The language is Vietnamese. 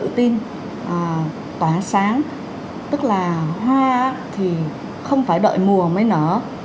tin tỏa sáng tức là hoa thì không phải đợi mùa mới nở